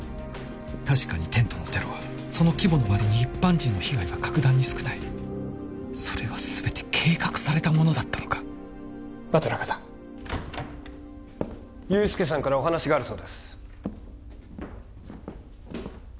確かにテントのテロはその規模のわりに一般人の被害は格段に少ないそれは全て計画されたものだったのかバトラカさん憂助さんからお話があるそうです